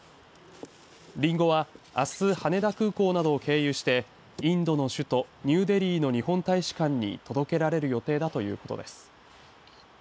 りんごは、あす羽田空港などを経由してインドの首都ニューデリーの日本大使館に届けられる予定だということです。